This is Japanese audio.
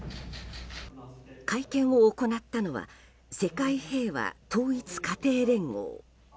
会見を行ったのは世界平和統一家庭連合。